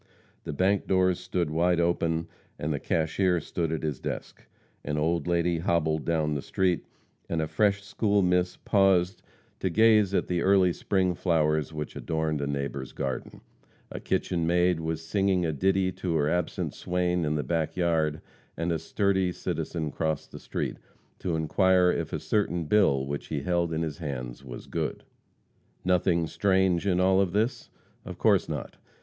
The bank doors stood wide open, and the cashier stood at his desk. An old lady hobbled down the street, and a fresh school miss paused to gaze at the early spring flowers which adorned a neighbor's garden; a kitchen maid was singing a ditty to her absent swain in the back yard; and a sturdy citizen crossed the street to inquire if a certain bill which he held in his hands was good. Nothing strange in all this? Of course not.